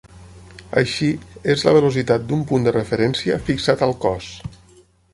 Així, és la velocitat d'un punt de referència fixat al cos.